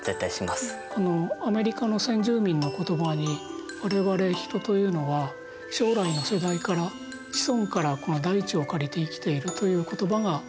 アメリカの先住民の言葉に「我々人というのは将来の世代から子孫から大地を借りて生きている」という言葉があります。